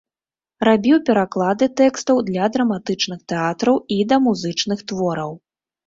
Рабіў пераклады тэкстаў для драматычных тэатраў і да музычных твораў.